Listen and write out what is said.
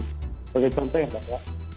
sebagai contoh ya mbak ya